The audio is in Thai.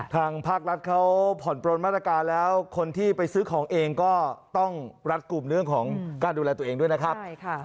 ทางภาครัฐเขาผ่อนปลนมาตรการแล้วคนที่ไปซื้อของเองก็ต้องรัดกลุ่มเรื่องของการดูแลตัวเองด้วยนะครับ